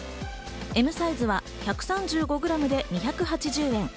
Ｍサイズは１３５グラムで２８０円。